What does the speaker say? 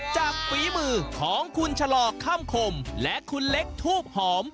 ฝีมือของคุณชะลอค่ำคมและคุณเล็กทูบหอม